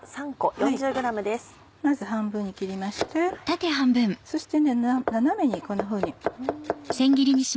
まず半分に切りましてそして斜めにこんなふうに。